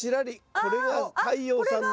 これは太陽さんの。